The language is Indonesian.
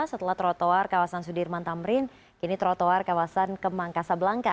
setelah trotoar kawasan sudirman tamrin kini trotoar kawasan kemangkasa belangka